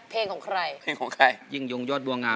เพลงของใคร